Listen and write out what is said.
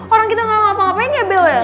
orang kita gak ngapa ngapain ya bel ya